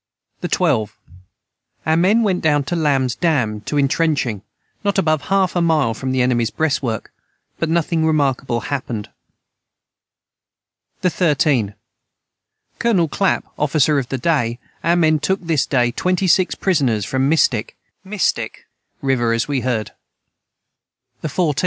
the 12. Our men went down to Lambs Dam to entrenching not above half a mile from the enemys brest work but nothing remarkable hapened. the 13. Colonel Clap officer of the day our men took this day 26 prisoners in mistick river as we heard. [Footnote 156: Mystic.